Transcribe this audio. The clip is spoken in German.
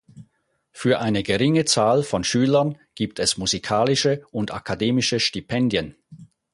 Für eine geringe Zahl von Schülern gibt es musikalische und akademische Stipendien.